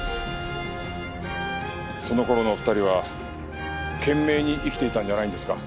その頃のお二人は懸命に生きていたんじゃないんですか？